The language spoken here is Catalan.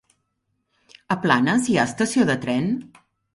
A Planes hi ha estació de tren?